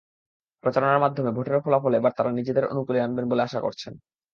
প্রচারণার মাধ্যমে ভোটের ফলাফল এবার তাঁরা নিজেদের অনুকূলে আনবেন বলে আশা করছেন।